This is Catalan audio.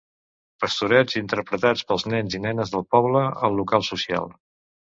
Pastorets interpretats pels nens i nenes del poble al local social.